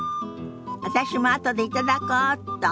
私もあとで頂こうっと。